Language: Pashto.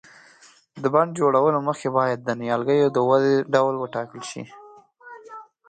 د بڼ جوړولو مخکې باید د نیالګیو د ودې ډول وټاکل شي.